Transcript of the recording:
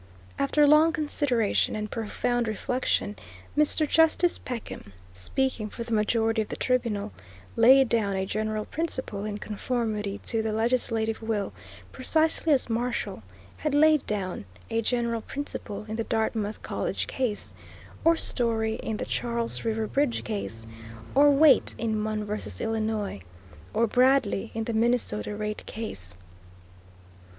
After long consideration, and profound reflection, Mr. Justice Peckham, speaking for the majority of the tribunal, laid down a general principle in conformity to the legislative will, precisely as Marshall had laid down a general principle in the Dartmouth College Case, or Story in the Charles River Bridge Case, or Waite in Munn v. Illinois, or Bradley in the Minnesota Rate Case.